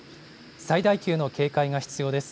最大級の警戒が必要です。